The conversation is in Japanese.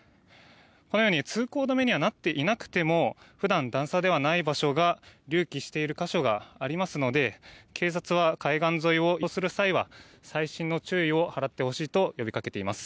このように通行止めにはなっていなくても普段、段差ではない場所が隆起している箇所がありますので警察は海岸沿いを移動する際は細心の注意を払ってほしいと呼びかけています。